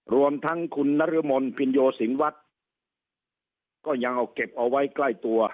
รวมทั้งคุณนรมนภินโยสินวัฒน์ก็ยังเอาเก็บเอาไว้ใกล้ตัว